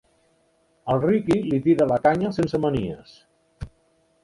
El Riqui li tira la canya sense manies.